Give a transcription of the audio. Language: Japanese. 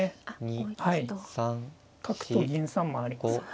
角と銀３枚ありますので。